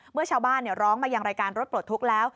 เมื่อชาวบ้านร้องมายังรายการรถปลดทุกข์แล้ว